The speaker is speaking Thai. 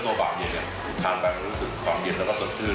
ก็ฟาวงไปแล้วจะรู้สึกขาวเย็นแล้วก็สดขึ้น